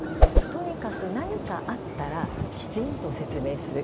とにかく何かあったらきちんと説明する。